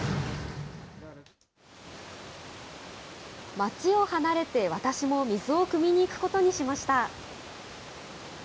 町を離れて、私も水をくみに行くことにしました。